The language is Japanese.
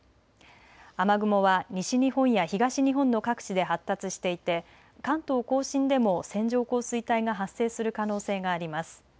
雨雲は西日本や東日本の各地で発達していて関東甲信でも線状降水帯が発生する可能性があります。